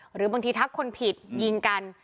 หรือบางทีทักคนผิดยิงกัน